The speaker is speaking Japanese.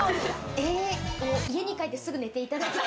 家に帰ってすぐ寝ていただいて。